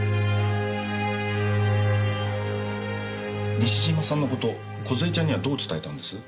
西島さんの事梢ちゃんにはどう伝えたんです？